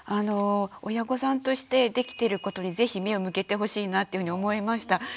親御さんとしてできてることに是非目を向けてほしいなっていうふうに思いました。